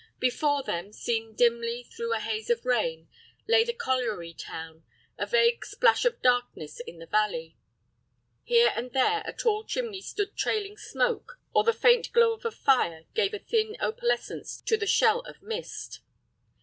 Before them, seen dimly through a haze of rain, lay the colliery town, a vague splash of darkness in the valley. Here and there a tall chimney stood trailing smoke, or the faint glow of a fire gave a thin opalescence to the shell of mist.